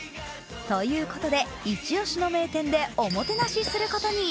ということで、イチ押しの名店でおもてなしすることに。